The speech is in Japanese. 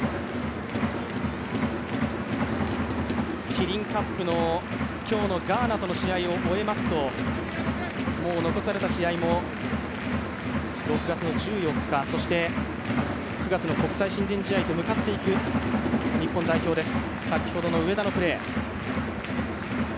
キリンカップの今日のガーナとの試合を終えますと残された試合も６月１４日、そして、９月の国際親善試合と向かっていく日本代表です。